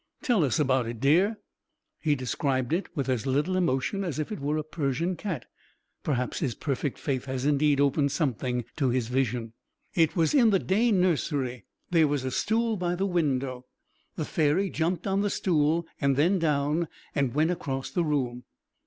"Tell us about it, dear." He described it with as little emotion as if it were a Persian cat. Perhaps his perfect faith had indeed opened something to his vision. "It was in the day nursery. There was a stool by the window. The fairy jumped on the stool and then down, and went across the room."